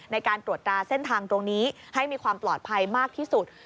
ในการตรวจตราเส้นทางตรงนี้ให้มีความปลอดภัยมากที่สุด